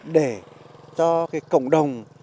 để cho cộng đồng